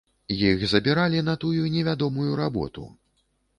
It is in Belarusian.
Іх забіралі на тую невядомую работу.